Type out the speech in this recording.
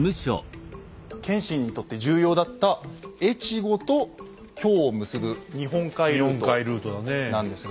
謙信にとって重要だった越後と京を結ぶ日本海ルートなんですが。